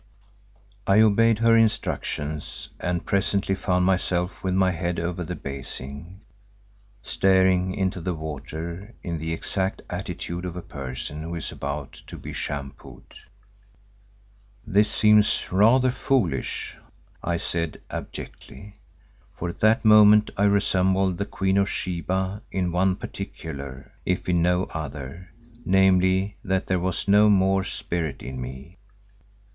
I obeyed her instructions and presently found myself with my head over the basin, staring into the water in the exact attitude of a person who is about to be shampooed. "This seems rather foolish," I said abjectly, for at that moment I resembled the Queen of Sheba in one particular, if in no other, namely, that there was no more spirit in me.